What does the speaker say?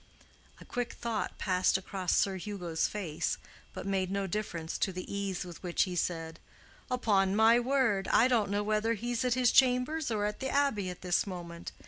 A quick thought passed across Sir Hugo's face, but made no difference to the ease with which he said, "Upon my word, I don't know whether he's at his chambers or the Abbey at this moment.